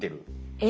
え？